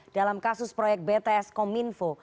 dalam kasus proyek bts kominfo